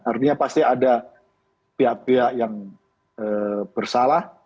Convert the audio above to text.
artinya pasti ada pihak pihak yang bersalah